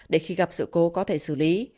để khi gặp sự cố có thể xử lý